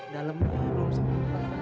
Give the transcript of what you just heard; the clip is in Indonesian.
dalemnya belum sempet